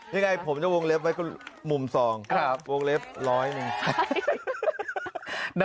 ยังไงผมจะวงเล็บไว้ก็มุมสองวงเล็บร้อยหนึ่ง